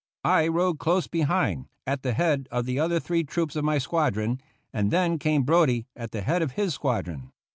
I rode close behind, at the head of the other three troops of my squadron, and then came Brodie at the head of his squadron.